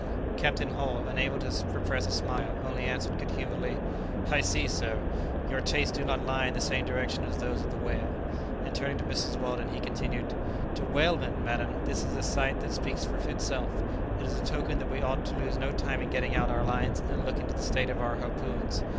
Captain Hull, unable to repress a smile, only answered good humouredly, "I see, sir, your tastes do not lie in the same direction as those of the whale." And turning to Mrs. Weldon, he continued, "To whalemen, madam, this is a sight that speaks for itself. It is a token that we ought to lose no time in getting out our lines and looking to the state of our harpoons.